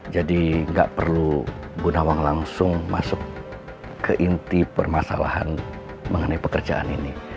jadi nggak perlu bunawang langsung masuk ke inti permasalahan mengenai pekerjaan ini